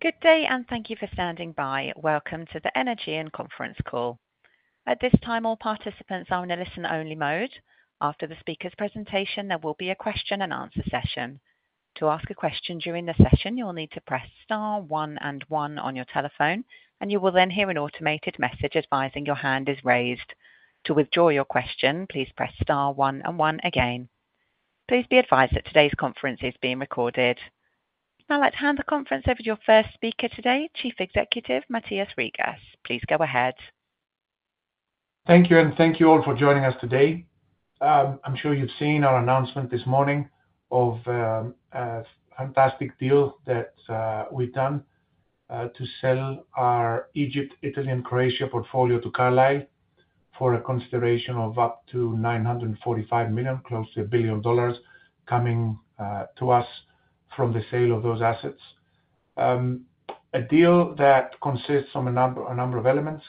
Good day, and thank you for standing by. Welcome to the Energean Conference Call. At this time, all participants are in a listen-only mode. After the speaker's presentation, there will be a question-and-answer session. To ask a question during the session, you'll need to press star one and one on your telephone, and you will then hear an automated message advising your hand is raised. To withdraw your question, please press star one and one again. Please be advised that today's conference is being recorded. Now, let's hand the conference over to your first speaker today, Chief Executive Mathios Rigas. Please go ahead. Thank you, and thank you all for joining us today. I'm sure you've seen our announcement this morning of a fantastic deal that we've done to sell our Egypt, Italy, and Croatia portfolio to Carlyle for a consideration of up to $945 million, close to a billion dollars, coming to us from the sale of those assets. A deal that consists of a number of elements,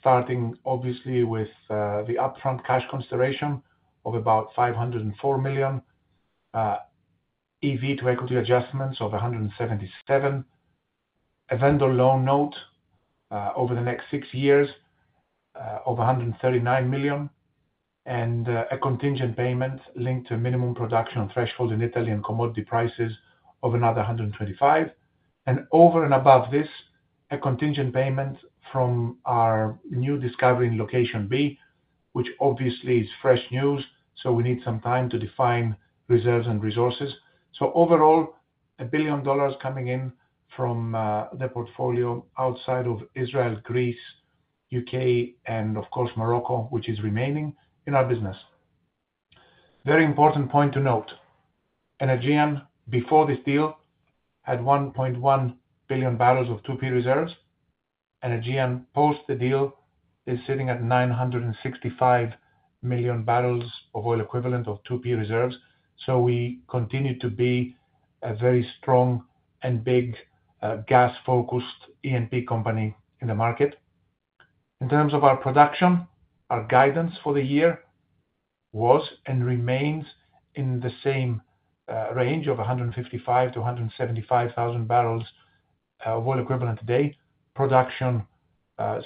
starting obviously with the upfront cash consideration of about $504 million, EV to equity adjustments of $177 million, a vendor loan note over the next six years of $139 million, and a contingent payment linked to a minimum production threshold in Italy and commodity prices of another $125 million. And over and above this, a contingent payment from our new discovery in Orion, which obviously is fresh news, so we need some time to define reserves and resources. So overall, $1 billion coming in from the portfolio outside of Israel, Greece, U.K., and of course, Morocco, which is remaining in our business. Very important point to note: Energean, before this deal, had 1.1 billion barrels of 2P reserves. Energean, post the deal, is sitting at 965 million barrels of oil equivalent of 2P reserves. So we continue to be a very strong and big gas-focused E&P company in the market. In terms of our production, our guidance for the year was and remains in the same range of 155,000-175,000 barrels of oil equivalent today. Production,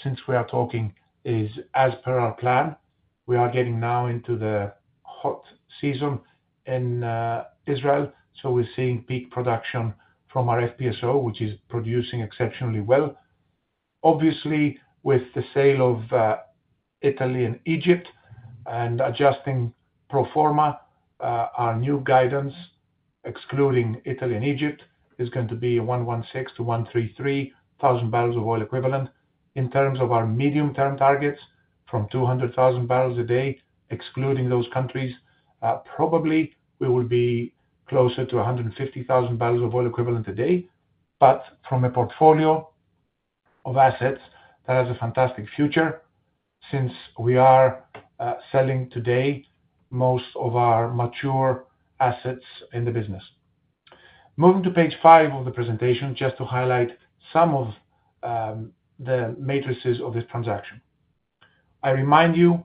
since we are talking, is as per our plan. We are getting now into the hot season in Israel, so we're seeing peak production from our FPSO, which is producing exceptionally well. Obviously, with the sale of Italy and Egypt and adjusting pro forma, our new guidance, excluding Italy and Egypt, is going to be 116,000 to 133,000 barrels of oil equivalent. In terms of our medium-term targets, from 200,000 barrels a day, excluding those countries, probably we will be closer to 150,000 barrels of oil equivalent a day. But from a portfolio of assets that has a fantastic future, since we are selling today most of our mature assets in the business. Moving to page 5 of the presentation, just to highlight some of the metrics of this transaction. I remind you,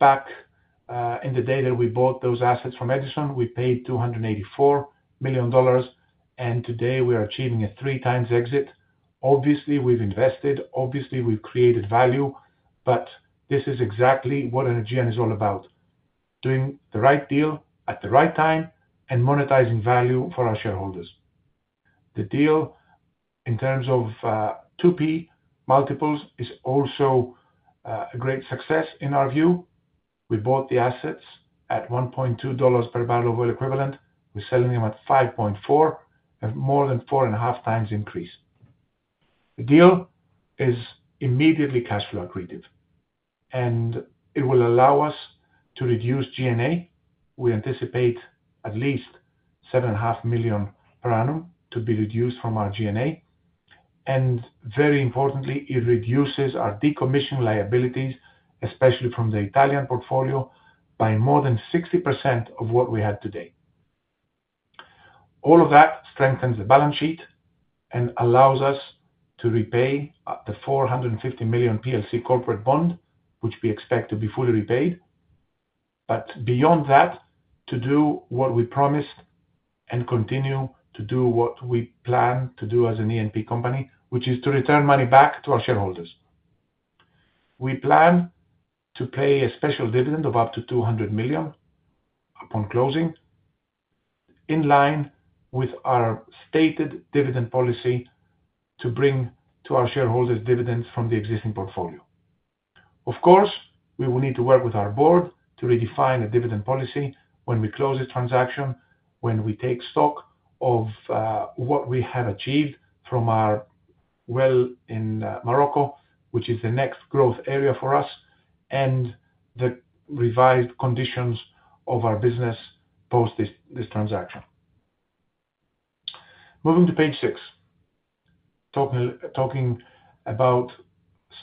back in the day that we bought those assets from Edison, we paid $284 million, and today we are achieving a 3x exit. Obviously, we've invested. Obviously, we've created value. But this is exactly what Energean is all about: doing the right deal at the right time and monetizing value for our shareholders. The deal, in terms of 2P multiples, is also a great success in our view. We bought the assets at $1.2 per barrel of oil equivalent. We're selling them at 5.4, a more than 4.5 times increase. The deal is immediately cash flow accretive, and it will allow us to reduce G&A. We anticipate at least $7.5 million per annum to be reduced from our G&A. And very importantly, it reduces our decommissioning liabilities, especially from the Italian portfolio, by more than 60% of what we had today. All of that strengthens the balance sheet and allows us to repay the $450 million PLC corporate bond, which we expect to be fully repaid. Beyond that, to do what we promised and continue to do what we plan to do as an E&P company, which is to return money back to our shareholders. We plan to pay a special dividend of up to $200 million upon closing, in line with our stated dividend policy, to bring to our shareholders dividends from the existing portfolio. Of course, we will need to work with our board to redefine a dividend policy when we close this transaction, when we take stock of what we have achieved from our well in Morocco, which is the next growth area for us, and the revised conditions of our business post this transaction. Moving to page 6, talking about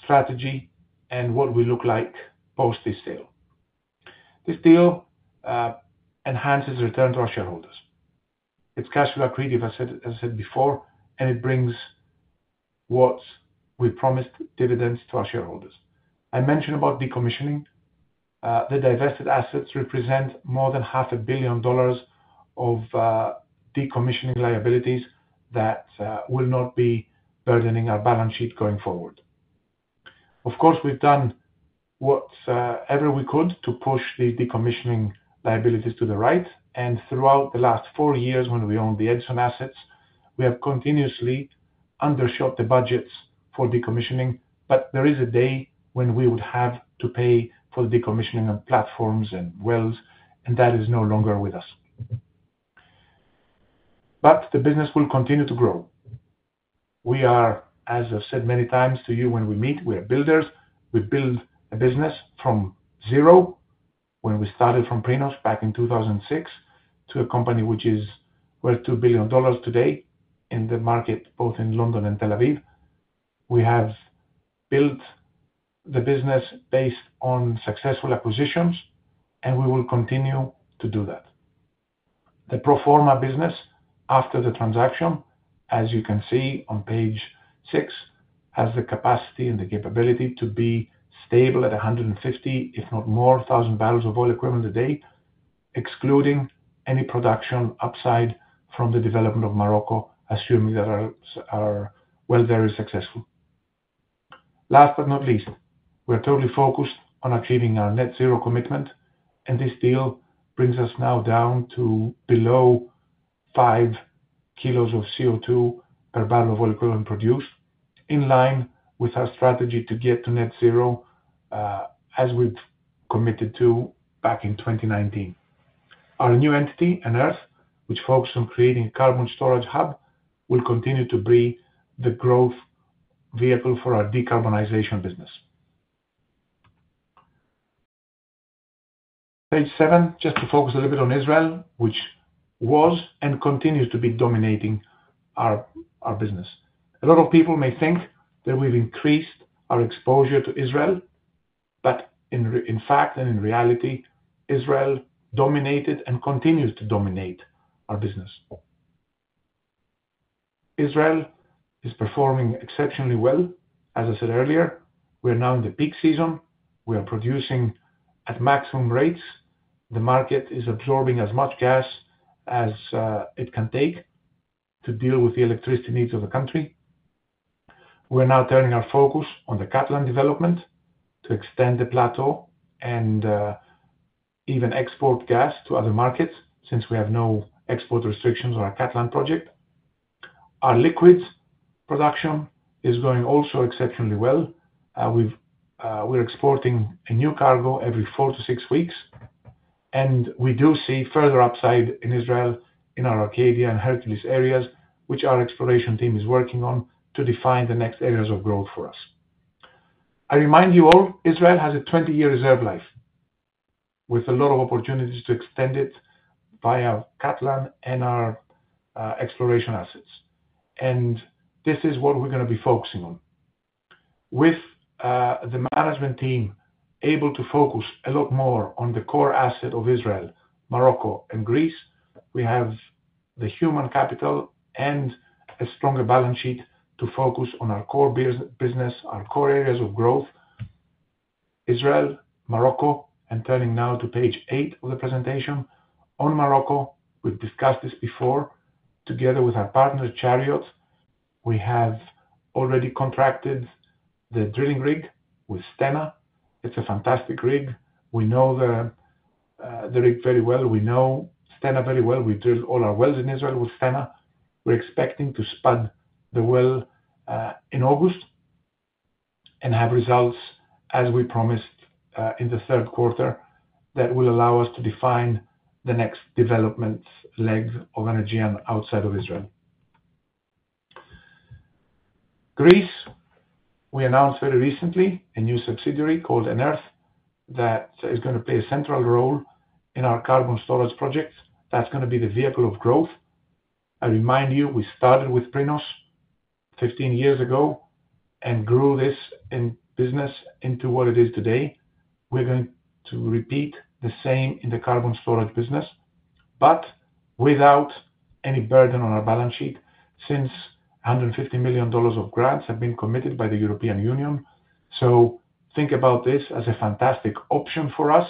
strategy and what we look like post this sale. This deal enhances return to our shareholders. It's cash flow accretive, as I said before, and it brings what we promised: dividends to our shareholders. I mentioned about decommissioning. The divested assets represent more than $500 million of decommissioning liabilities that will not be burdening our balance sheet going forward. Of course, we've done whatever we could to push the decommissioning liabilities to the right. Throughout the last four years, when we owned the Edison assets, we have continuously undershot the budgets for decommissioning. But there is a day when we would have to pay for the decommissioning of platforms and wells, and that is no longer with us. The business will continue to grow. We are, as I've said many times to you when we meet, we are builders. We build a business from zero, when we started from Prinos back in 2006, to a company which is worth $2 billion today in the market, both in London and Tel Aviv. We have built the business based on successful acquisitions, and we will continue to do that. The pro forma business, after the transaction, as you can see on page 6, has the capacity and the capability to be stable at 150,000, if not more, barrels of oil equivalent a day, excluding any production upside from the development of Morocco, assuming that our well there is successful. Last but not least, we are totally focused on achieving our net zero commitment, and this deal brings us now down to below five kilos of CO2 per barrel of oil equivalent produced, in line with our strategy to get to net zero, as we've committed to back in 2019. Our new entity, EnEarth, which focuses on creating a carbon storage hub, will continue to be the growth vehicle for our decarbonization business. Page seven, just to focus a little bit on Israel, which was and continues to be dominating our business. A lot of people may think that we've increased our exposure to Israel, but in fact and in reality, Israel dominated and continues to dominate our business. Israel is performing exceptionally well. As I said earlier, we are now in the peak season. We are producing at maximum rates. The market is absorbing as much gas as it can take to deal with the electricity needs of the country. We are now turning our focus on the Katlan development to extend the plateau and even export gas to other markets, since we have no export restrictions on our Katlan project. Our liquids production is going also exceptionally well. We're exporting a new cargo every 4-6 weeks, and we do see further upside in Israel in our Athena and Hercules areas, which our exploration team is working on to define the next areas of growth for us. I remind you all, Israel has a 20-year reserve life with a lot of opportunities to extend it via Katlan and our exploration assets. And this is what we're going to be focusing on. With the management team able to focus a lot more on the core asset of Israel, Morocco, and Greece, we have the human capital and a stronger balance sheet to focus on our core business, our core areas of growth: Israel, Morocco. And turning now to page 8 of the presentation on Morocco, we've discussed this before. Together with our partner, Chariot, we have already contracted the drilling rig with Stena. It's a fantastic rig. We know the rig very well. We know Stena very well. We drill all our wells in Israel with Stena. We're expecting to spud the well in August and have results, as we promised in the third quarter, that will allow us to define the next development leg of Energean outside of Israel. Greece, we announced very recently a new subsidiary called EnEarth that is going to play a central role in our carbon storage project. That's going to be the vehicle of growth. I remind you, we started with Prinos 15 years ago and grew this business into what it is today. We're going to repeat the same in the carbon storage business, but without any burden on our balance sheet, since $150 million of grants have been committed by the European Union. So think about this as a fantastic option for us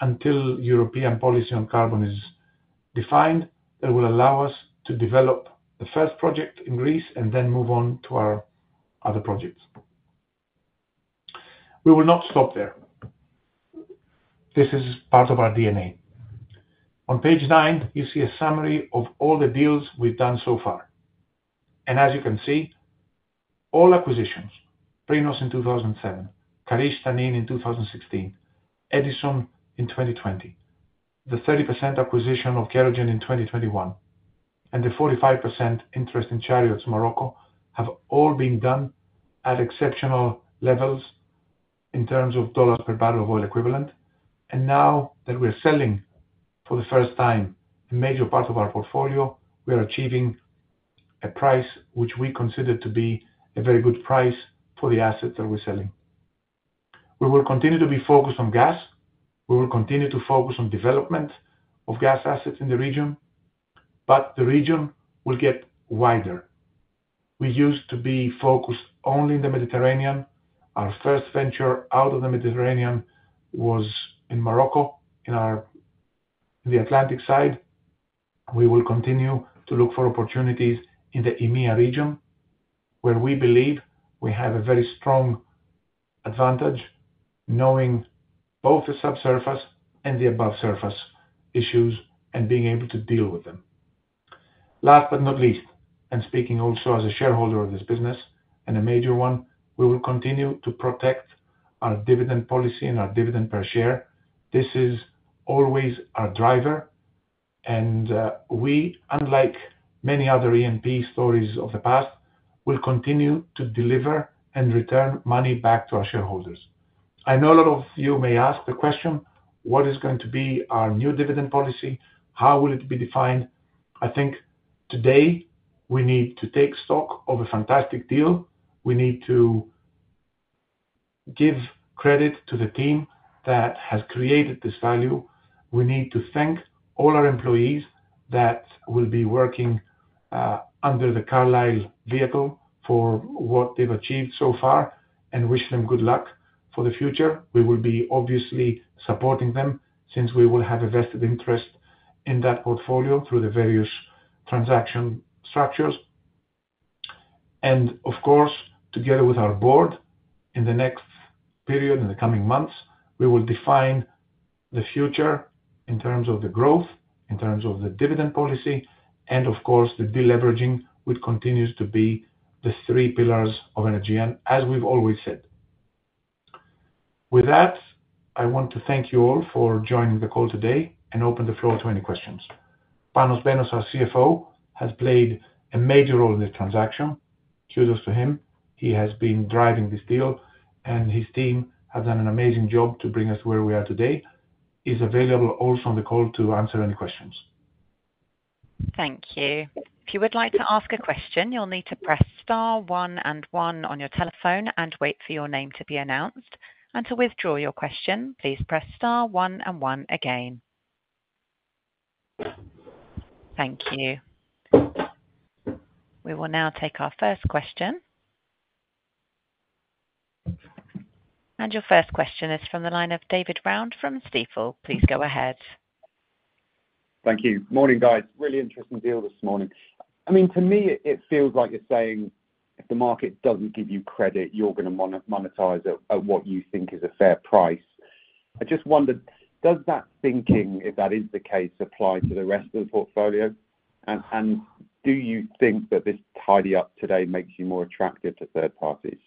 until European policy on carbon is defined that will allow us to develop the first project in Greece and then move on to our other projects. We will not stop there. This is part of our DNA. On page 9, you see a summary of all the deals we've done so far. As you can see, all acquisitions: Prinos in 2007, Karish Tanin in 2016, Edison in 2020, the 30% acquisition of Kerogen in 2021, and the 45% interest in Chariot's Morocco have all been done at exceptional levels in terms of dollars per barrel of oil equivalent. Now that we're selling for the first time a major part of our portfolio, we are achieving a price which we consider to be a very good price for the assets that we're selling. We will continue to be focused on gas. We will continue to focus on development of gas assets in the region, but the region will get wider. We used to be focused only in the Mediterranean. Our first venture out of the Mediterranean was in Morocco, in the Atlantic side. We will continue to look for opportunities in the EMEA region, where we believe we have a very strong advantage, knowing both the subsurface and the above-surface issues and being able to deal with them. Last but not least, and speaking also as a shareholder of this business and a major one, we will continue to protect our dividend policy and our dividend per share. This is always our driver. We, unlike many other E&P stories of the past, will continue to deliver and return money back to our shareholders. I know a lot of you may ask the question, "What is going to be our new dividend policy? How will it be defined?" I think today we need to take stock of a fantastic deal. We need to give credit to the team that has created this value. We need to thank all our employees that will be working under the Carlyle vehicle for what they've achieved so far and wish them good luck for the future. We will be obviously supporting them since we will have a vested interest in that portfolio through the various transaction structures. And of course, together with our board, in the next period, in the coming months, we will define the future in terms of the growth, in terms of the dividend policy, and of course, the deleveraging, which continues to be the three pillars of Energean, as we've always said. With that, I want to thank you all for joining the call today and open the floor to any questions. Panos Benos, our CFO, has played a major role in the transaction. Kudos to him. He has been driving this deal, and his team have done an amazing job to bring us to where we are today. He's available also on the call to answer any questions. Thank you. If you would like to ask a question, you'll need to press star, one, and one on your telephone and wait for your name to be announced. And to withdraw your question, please press star, one, and one again. Thank you. We will now take our first question. And your first question is from the line of David Round from Stifel. Please go ahead. Thank you. Morning, guys. Really interesting deal this morning. I mean, to me, it feels like you're saying if the market doesn't give you credit, you're going to monetize it at what you think is a fair price. I just wondered, does that thinking, if that is the case, apply to the rest of the portfolio? And do you think that this tidy up today makes you more attractive to third parties?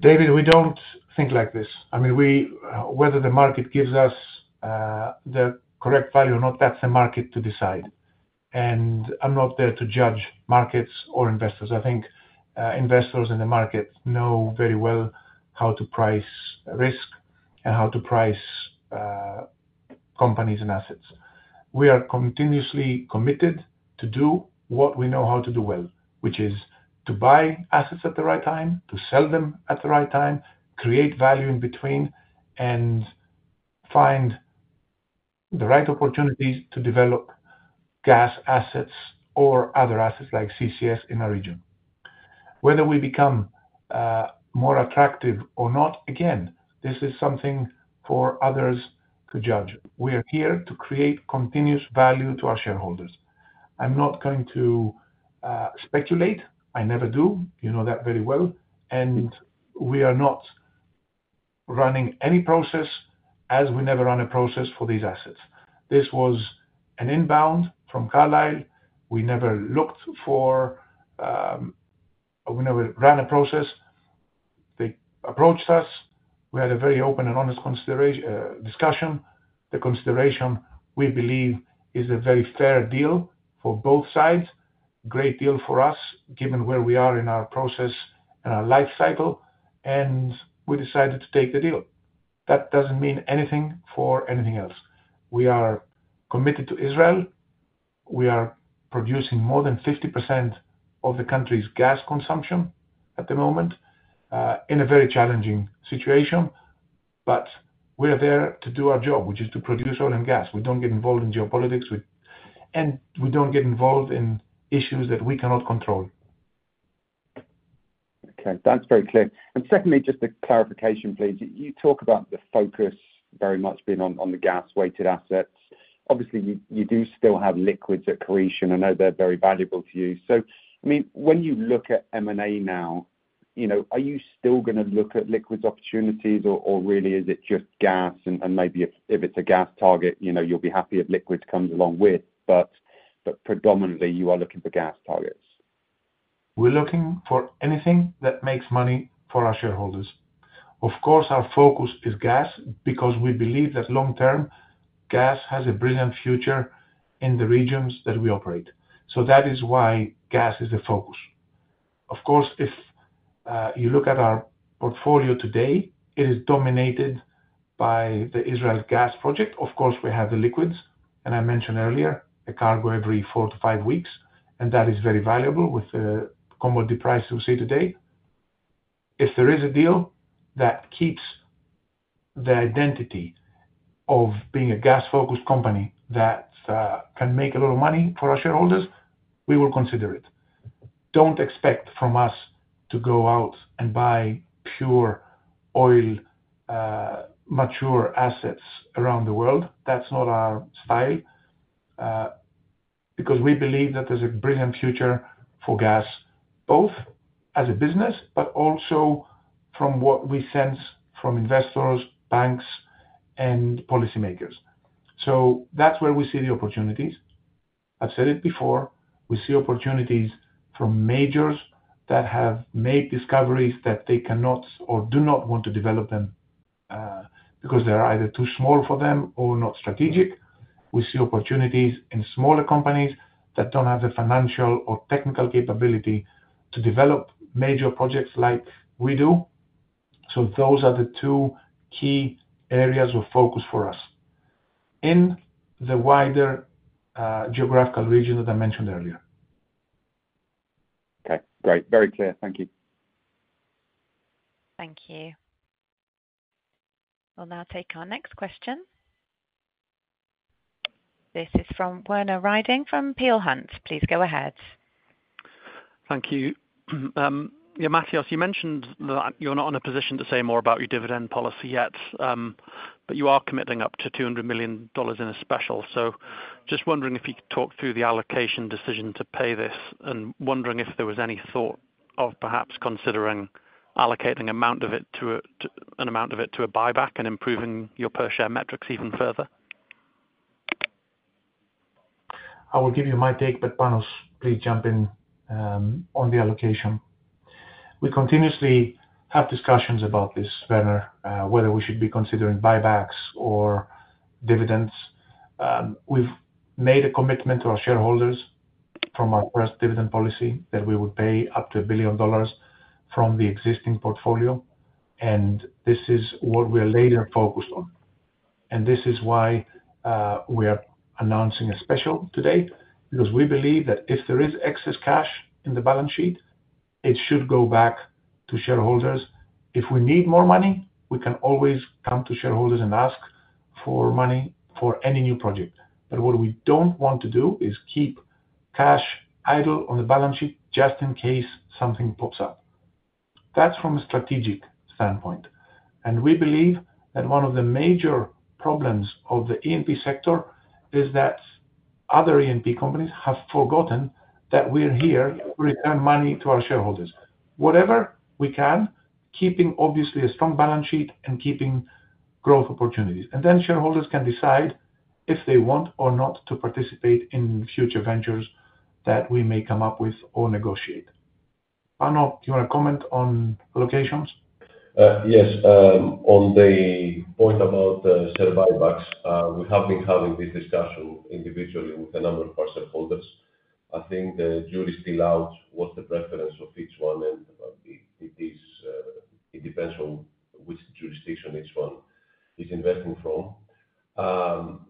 David, we don't think like this. I mean, whether the market gives us the correct value or not, that's the market to decide. And I'm not there to judge markets or investors. I think investors in the market know very well how to price risk and how to price companies and assets. We are continuously committed to do what we know how to do well, which is to buy assets at the right time, to sell them at the right time, create value in between, and find the right opportunities to develop gas assets or other assets like CCS in our region. Whether we become more attractive or not, again, this is something for others to judge. We are here to create continuous value to our shareholders. I'm not going to speculate. I never do. You know that very well. We are not running any process, as we never run a process for these assets. This was an inbound from Carlyle. We never looked for. We never ran a process. They approached us. We had a very open and honest discussion. The consideration we believe is a very fair deal for both sides, a great deal for us, given where we are in our process and our life cycle. We decided to take the deal. That doesn't mean anything for anything else. We are committed to Israel. We are producing more than 50% of the country's gas consumption at the moment in a very challenging situation. But we are there to do our job, which is to produce oil and gas. We don't get involved in geopolitics, and we don't get involved in issues that we cannot control. Okay. That's very clear. Secondly, just a clarification, please. You talk about the focus very much being on the gas-weighted assets. Obviously, you do still have liquids at Croatia. I know they're very valuable to you. So, I mean, when you look at M&A now, are you still going to look at liquids opportunities, or really is it just gas? And maybe if it's a gas target, you'll be happy if liquids comes along with, but predominantly, you are looking for gas targets. We're looking for anything that makes money for our shareholders. Of course, our focus is gas because we believe that long-term, gas has a brilliant future in the regions that we operate. So that is why gas is the focus. Of course, if you look at our portfolio today, it is dominated by the Israel gas project. Of course, we have the liquids, and I mentioned earlier, a cargo every 4-5 weeks, and that is very valuable with the commodity prices we see today. If there is a deal that keeps the identity of being a gas-focused company that can make a lot of money for our shareholders, we will consider it. Don't expect from us to go out and buy pure oil mature assets around the world. That's not our style because we believe that there's a brilliant future for gas, both as a business, but also from what we sense from investors, banks, and policymakers. So that's where we see the opportunities. I've said it before. We see opportunities from majors that have made discoveries that they cannot or do not want to develop them because they are either too small for them or not strategic. We see opportunities in smaller companies that don't have the financial or technical capability to develop major projects like we do. So those are the two key areas of focus for us in the wider geographical region that I mentioned earlier. Okay. Great. Very clear. Thank you. Thank you. We'll now take our next question. This is from Werner Riding from Peel Hunt. Please go ahead. Thank you. Yeah, Mathios, you mentioned that you're not in a position to say more about your dividend policy yet, but you are committing up to $200 million in a special. So just wondering if you could talk through the allocation decision to pay this and wondering if there was any thought of perhaps considering allocating an amount of it to an amount of it to a buyback and improving your per-share metrics even further. I will give you my take, but Panos, please jump in on the allocation. We continuously have discussions about this, Werner, whether we should be considering buybacks or dividends. We've made a commitment to our shareholders from our first dividend policy that we would pay up to $1 billion from the existing portfolio. And this is what we are later focused on. And this is why we are announcing a special today because we believe that if there is excess cash in the balance sheet, it should go back to shareholders. If we need more money, we can always come to shareholders and ask for money for any new project. But what we don't want to do is keep cash idle on the balance sheet just in case something pops up. That's from a strategic standpoint. And we believe that one of the major problems of the E&P sector is that other E&P companies have forgotten that we're here to return money to our shareholders. Whatever we can, keeping obviously a strong balance sheet and keeping growth opportunities. And then shareholders can decide if they want or not to participate in future ventures that we may come up with or negotiate. Pano, do you want to comment on locations? Yes. On the point about share buybacks, we have been having this discussion individually with a number of our shareholders. I think the jury's still out what the preference of each one is. It depends on which jurisdiction each one is investing from.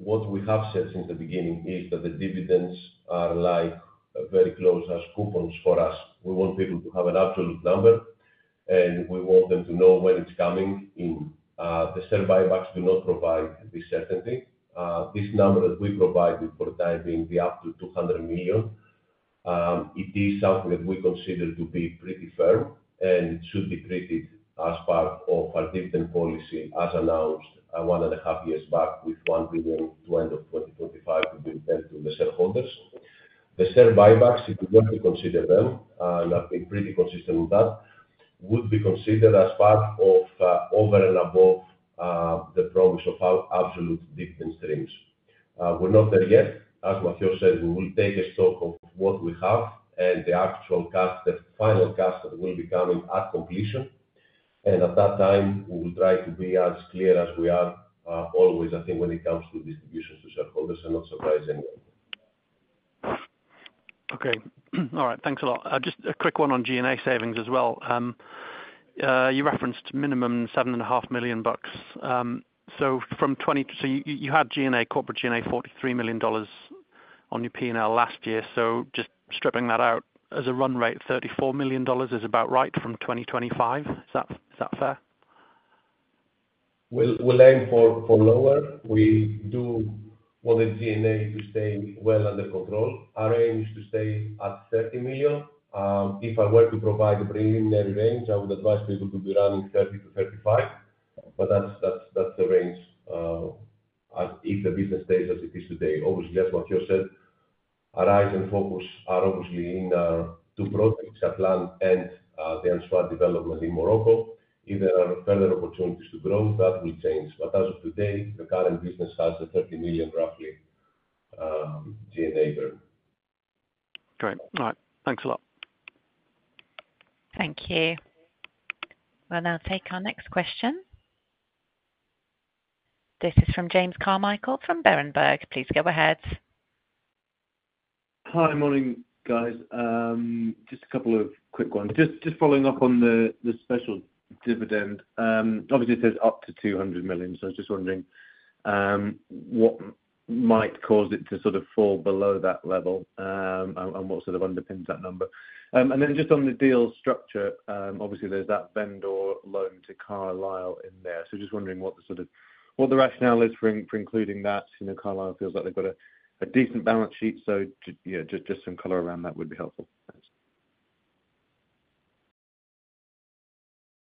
What we have said since the beginning is that the dividends are very close as coupons for us. We want people to have an absolute number, and we want them to know when it's coming. The share buybacks do not provide this certainty. This number that we provide for the time being the up to $200 million. It is something that we consider to be pretty firm, and it should be treated as part of our dividend policy as announced one and a half years back with $1 billion to end of 2025 to be returned to the shareholders. The share buybacks, if we want to consider them, and I've been pretty consistent with that, would be considered as part of over and above the promise of absolute dividend streams. We're not there yet. As Mathios said, we will take stock of what we have and the actual cash, that final cash that will be coming at completion. And at that time, we will try to be as clear as we are always, I think, when it comes to distributions to shareholders and not surprise anyone. Okay. All right. Thanks a lot. Just a quick one on G&A savings as well. You referenced minimum $7.5 million. So from 2020, you had G&A, corporate G&A $43 million on your P&L last year. So just stripping that out as a run rate, $34 million is about right from 2025. Is that fair? We'll aim for lower. We do want the G&A to stay well under control. Our range is to stay at $30 million. If I were to provide a preliminary range, I would advise people to be running $30 million-$35 million. But that's the range if the business stays as it is today. Obviously, as Mathios said, our eyes and focus are obviously in two projects, Katlan and the Anchois development in Morocco. If there are further opportunities to grow, that will change. But as of today, the current business has a $30 million roughly G&A burden. Okay. All right. Thanks a lot. Thank you. We'll now take our next question. This is from James Carmichael from Berenberg. Please go ahead. Hi, morning, guys. Just a couple of quick ones. Just following up on the special dividend, obviously, it says up to $200 million. So I was just wondering what might cause it to sort of fall below that level and what sort of underpins that number. And then just on the deal structure, obviously, there's that vendor loan to Carlyle in there. So just wondering what the rationale is for including that. Carlyle feels like they've got a decent balance sheet. So just some color around that would be helpful.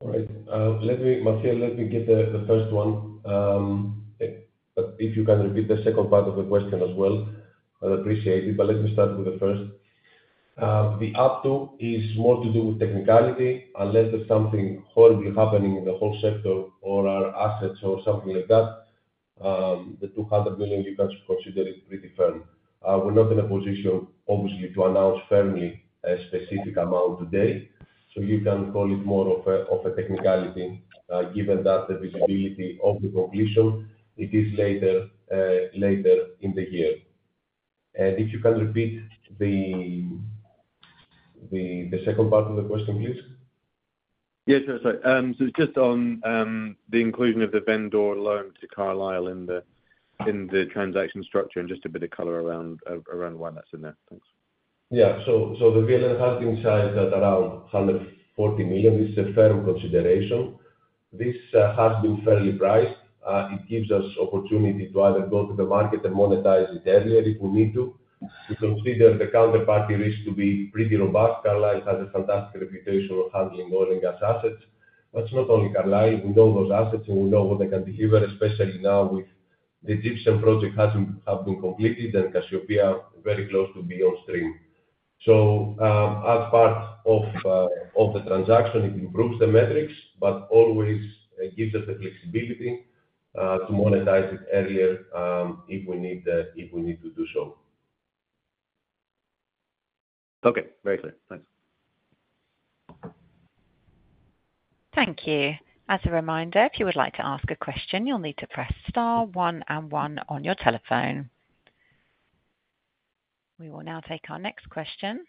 All right. Mathios, let me get the first one. If you can repeat the second part of the question as well, I'd appreciate it. But let me start with the first. The up to is more to do with technicality. Unless there's something horribly happening in the whole sector or our assets or something like that, the $200 million, you can consider it pretty firm. We're not in a position, obviously, to announce firmly a specific amount today. So you can call it more of a technicality given that the visibility of the completion. It is later in the year. And if you can repeat the second part of the question, please. Yeah, sure. Sorry. So just on the inclusion of the vendor loan to Carlyle in the transaction structure and just a bit of color around why that's in there. Thanks. Yeah. So the VLN has been sized at around $140 million. This is a firm consideration. This has been fairly priced. It gives us opportunity to either go to the market and monetize it earlier if we need to. We consider the counterparty risk to be pretty robust. Carlyle has a fantastic reputation of handling oil and gas assets. But it's not only Carlyle. We know those assets, and we know what they can deliver, especially now with the Egyptian project having been completed and Cassiopea very close to be on stream. So as part of the transaction, it improves the metrics, but always gives us the flexibility to monetize it earlier if we need to do so. Okay. Very clear. Thanks. Thank you. As a reminder, if you would like to ask a question, you'll need to press star one and one on your telephone. We will now take our next question.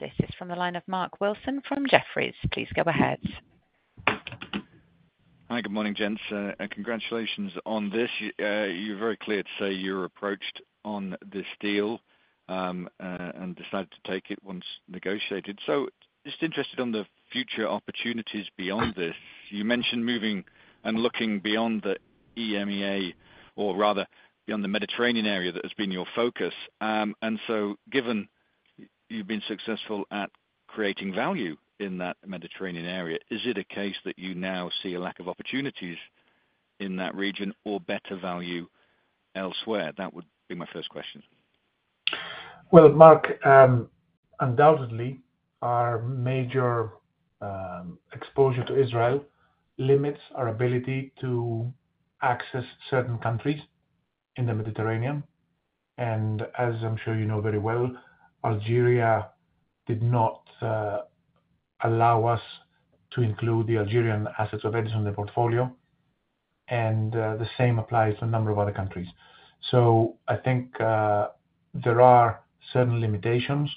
This is from the line of Mark Wilson from Jefferies. Please go ahead. Hi. Good morning, gents. Congratulations on this. You're very clear to say you're approached on this deal and decided to take it once negotiated. Just interested on the future opportunities beyond this. You mentioned moving and looking beyond the EMEA, or rather beyond the Mediterranean area that has been your focus. Given you've been successful at creating value in that Mediterranean area, is it a case that you now see a lack of opportunities in that region or better value elsewhere? That would be my first question. Well, Mark, undoubtedly, our major exposure to Israel limits our ability to access certain countries in the Mediterranean. And as I'm sure you know very well, Algeria did not allow us to include the Algerian assets of Edison in the portfolio. And the same applies to a number of other countries. So I think there are certain limitations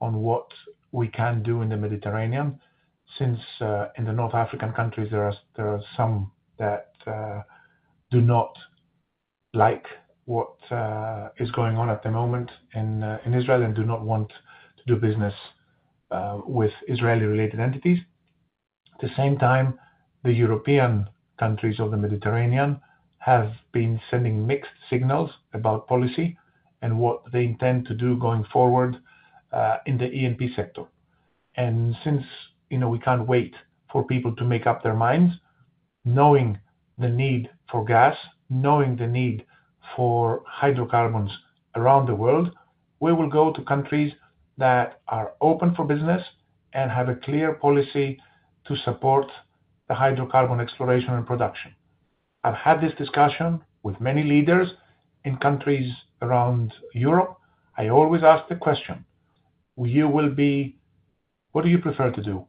on what we can do in the Mediterranean. Since in the North African countries, there are some that do not like what is going on at the moment in Israel and do not want to do business with Israeli-related entities. At the same time, the European countries of the Mediterranean have been sending mixed signals about policy and what they intend to do going forward in the E&P sector. And since we can't wait for people to make up their minds, knowing the need for gas, knowing the need for hydrocarbons around the world, we will go to countries that are open for business and have a clear policy to support the hydrocarbon exploration and production. I've had this discussion with many leaders in countries around Europe. I always ask the question, "What do you prefer to do?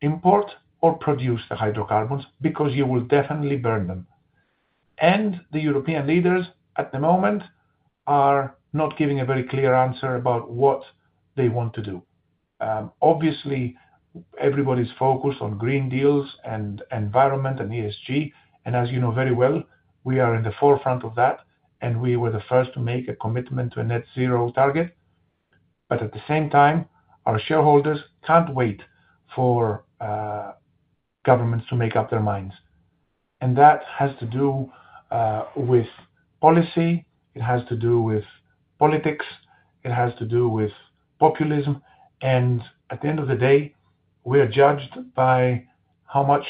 Import or produce the hydrocarbons because you will definitely burn them?" And the European leaders at the moment are not giving a very clear answer about what they want to do. Obviously, everybody's focused on green deals and environment and ESG. And as you know very well, we are in the forefront of that, and we were the first to make a commitment to a net zero target. But at the same time, our shareholders can't wait for governments to make up their minds. And that has to do with policy. It has to do with politics. It has to do with populism. And at the end of the day, we are judged by how much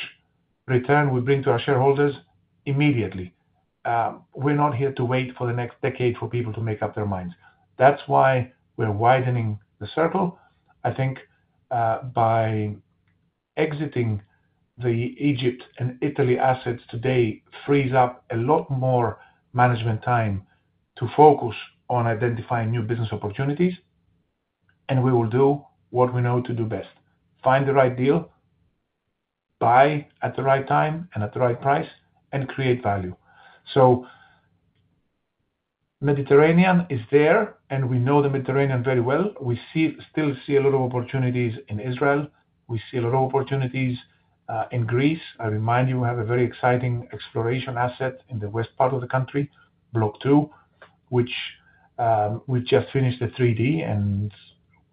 return we bring to our shareholders immediately. We're not here to wait for the next decade for people to make up their minds. That's why we're widening the circle. I think by exiting the Egypt and Italy assets today frees up a lot more management time to focus on identifying new business opportunities. And we will do what we know to do best: find the right deal, buy at the right time and at the right price, and create value. So Mediterranean is there, and we know the Mediterranean very well. We still see a lot of opportunities in Israel. We see a lot of opportunities in Greece. I remind you, we have a very exciting exploration asset in the west part of the country, Block 2, which we just finished the 3D, and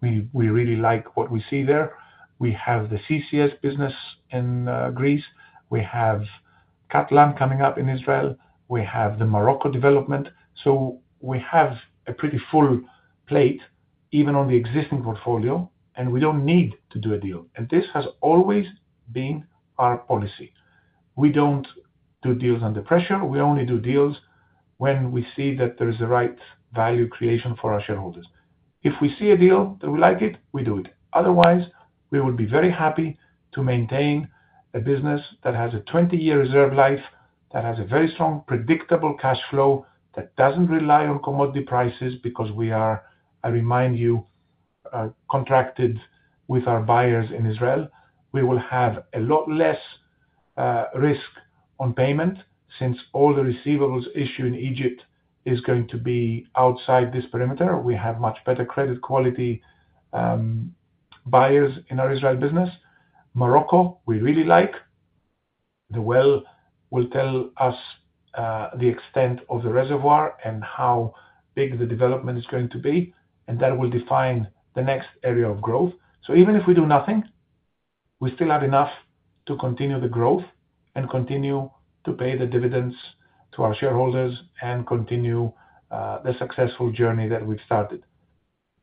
we really like what we see there. We have the CCS business in Greece. We have Katlan coming up in Israel. We have the Morocco development. So we have a pretty full plate even on the existing portfolio, and we don't need to do a deal. And this has always been our policy. We don't do deals under pressure. We only do deals when we see that there is the right value creation for our shareholders. If we see a deal that we like it, we do it. Otherwise, we would be very happy to maintain a business that has a 20-year reserve life, that has a very strong predictable cash flow, that doesn't rely on commodity prices because we are, I remind you, contracted with our buyers in Israel. We will have a lot less risk on payment since all the receivables issued in Egypt is going to be outside this perimeter. We have much better credit quality buyers in our Israel business. Morocco, we really like. The well will tell us the extent of the reservoir and how big the development is going to be. That will define the next area of growth. So even if we do nothing, we still have enough to continue the growth and continue to pay the dividends to our shareholders and continue the successful journey that we've started.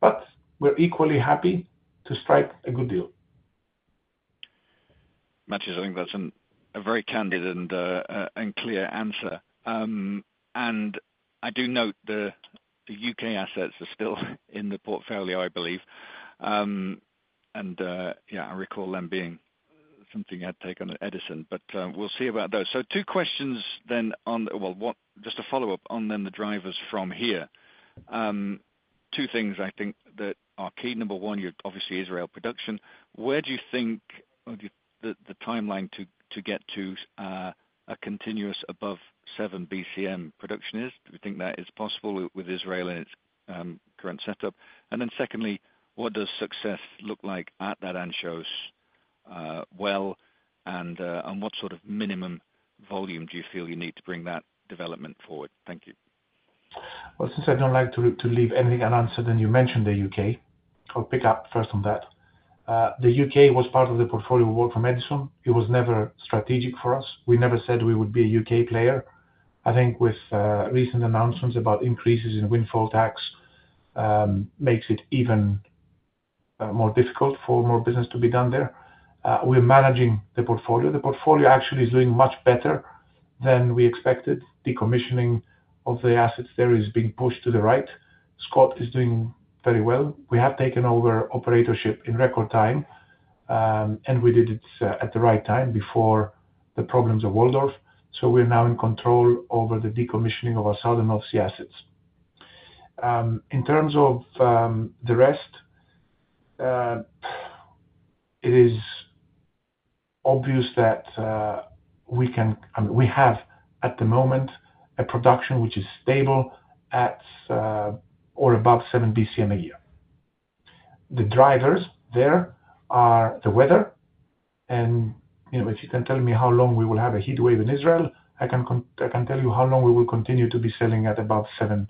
But we're equally happy to strike a good deal. Mathios, I think that's a very candid and clear answer. And I do note the UK assets are still in the portfolio, I believe. And yeah, I recall them being something you had taken on Edison. But we'll see about those. So two questions then on, well, just a follow-up on then the drivers from here. Two things, I think, that are key. Number one, you're obviously Israel production. Where do you think the timeline to get to a continuous above 7 BCM production is? Do you think that is possible with Israel and its current setup? And then secondly, what does success look like at that Anchois well? And what sort of minimum volume do you feel you need to bring that development forward? Thank you. Well, since I don't like to leave anything unanswered, then you mentioned the U.K. I'll pick up first on that. The U.K. was part of the portfolio work from Edison. It was never strategic for us. We never said we would be a U.K. player. I think with recent announcements about increases in windfall tax makes it even more difficult for more business to be done there. We're managing the portfolio. The portfolio actually is doing much better than we expected. Decommissioning of the assets there is being pushed to the right. Scott is doing very well. We have taken over operatorship in record time, and we did it at the right time before the problems of Waldorf. So we're now in control over the decommissioning of our southern offshore assets. In terms of the rest, it is obvious that we can, I mean, we have at the moment a production which is stable at or above 7 BCM a year. The drivers there are the weather. And if you can tell me how long we will have a heat wave in Israel, I can tell you how long we will continue to be selling at above 7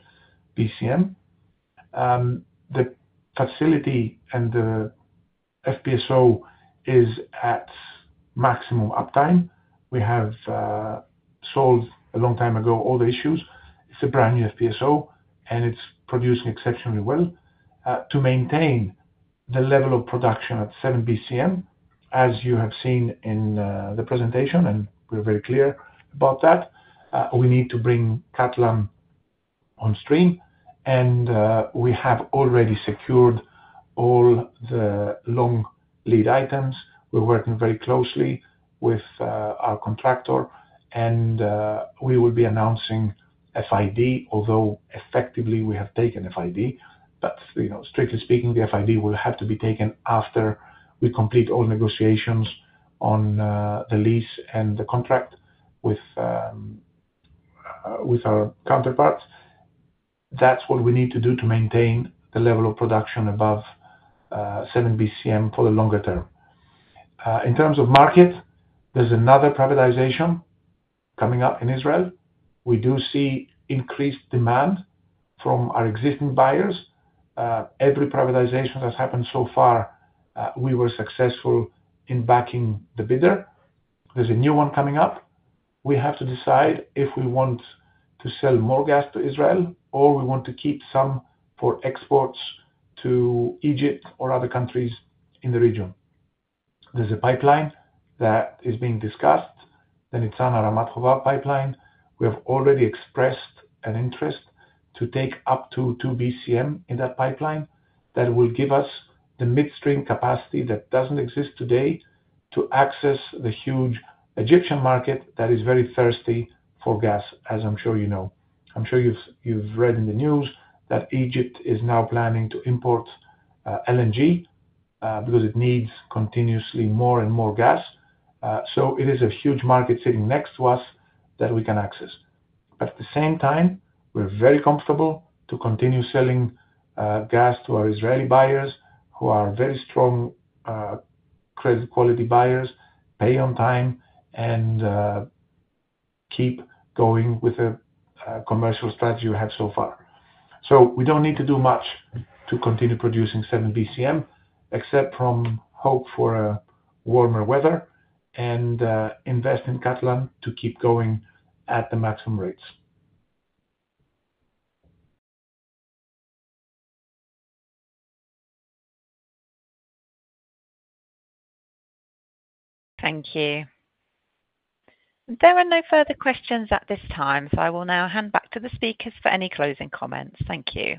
BCM. The facility and the FPSO is at maximum uptime. We have solved a long time ago all the issues. It's a brand new FPSO, and it's producing exceptionally well. To maintain the level of production at 7 BCM, as you have seen in the presentation, and we're very clear about that, we need to bring Katlan on stream. We have already secured all the long lead items. We're working very closely with our contractor, and we will be announcing FID, although effectively we have taken FID. But strictly speaking, the FID will have to be taken after we complete all negotiations on the lease and the contract with our counterparts. That's what we need to do to maintain the level of production above 7 BCM for the longer term. In terms of market, there's another privatization coming up in Israel. We do see increased demand from our existing buyers. Every privatization that's happened so far, we were successful in backing the bidder. There's a new one coming up. We have to decide if we want to sell more gas to Israel or we want to keep some for exports to Egypt or other countries in the region. There's a pipeline that is being discussed. Then it's on our Nitzana pipeline. We have already expressed an interest to take up to 2 BCM in that pipeline. That will give us the midstream capacity that doesn't exist today to access the huge Egyptian market that is very thirsty for gas, as I'm sure you know. I'm sure you've read in the news that Egypt is now planning to import LNG because it needs continuously more and more gas. So it is a huge market sitting next to us that we can access. But at the same time, we're very comfortable to continue selling gas to our Israeli buyers who are very strong credit quality buyers, pay on time, and keep going with the commercial strategy we have so far. So we don't need to do much to continue producing 7 BCM, except to hope for warmer weather and invest in Katlan to keep going at the maximum rates. Thank you. There are no further questions at this time, so I will now hand back to the speakers for any closing comments. Thank you.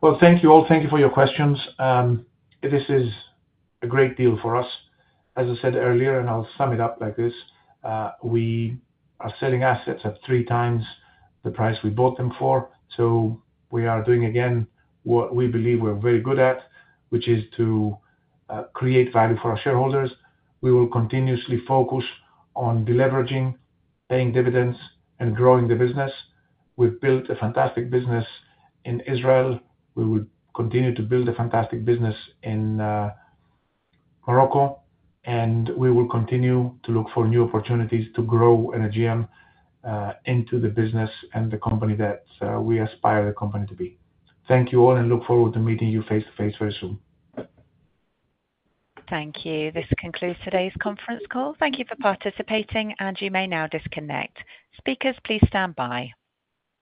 Well, thank you all. Thank you for your questions. This is a great deal for us. As I said earlier, and I'll sum it up like this, we are selling assets at three times the price we bought them for. So we are doing again what we believe we're very good at, which is to create value for our shareholders. We will continuously focus on deleveraging, paying dividends, and growing the business. We've built a fantastic business in Israel. We will continue to build a fantastic business in Morocco. And we will continue to look for new opportunities to grow Energean into the business and the company that we aspire the company to be. Thank you all, and look forward to meeting you face-to-face very soon. Thank you. This concludes today's conference call. Thank you for participating, and you may now disconnect. Speakers, please stand by.